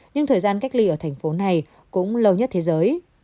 nhưng thời gian cách ly ở thành phố này cũng lâu nhất thế giới